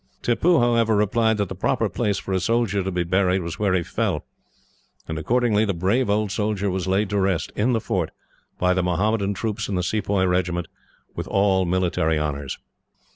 Tippoo, however, replied that the proper place for a soldier to be buried was where he fell, and accordingly the brave old soldier was laid to rest, in the fort, by the Mohammedan troops in the Sepoy regiments; with all military honours.